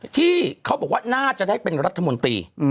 ที่เขาบอกว่าน่าจะได้เป็นรัฐมนตรี